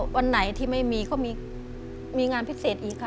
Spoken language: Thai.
วันไหนที่ไม่มีก็มีงานพิเศษอีกค่ะ